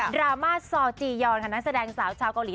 รามาซอลจียอนค่ะนักแสดงสาวชาวเกาหลี